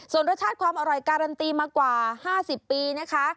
ส่วนรสชาติความอร่อยการันตีมากว่า๕๐ปีนะคะ